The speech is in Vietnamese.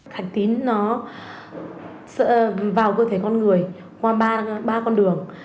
thạch tín nó sẽ vào cơ thể con người qua ba con đường